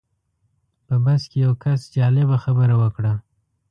په بس کې یو کس جالبه خبره وکړه.